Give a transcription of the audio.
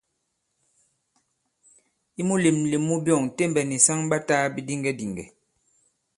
I mulèmlèm mu byɔ̂ŋ, Tembɛ̀ nì saŋ ɓa tāā bidiŋgɛdìŋgɛ̀.